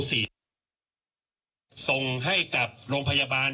ส่งให้กับโรงพยาบาล